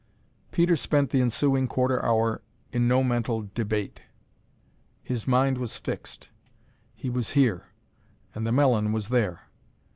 Peter spent the ensuing quarter hour in no mental debate. His mind was fixed. He was here, and the melon was there.